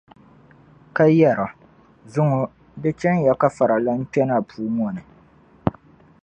Ka yɛra, zuŋɔ di chɛn ya ka faralana kpe na puu ŋɔ ni.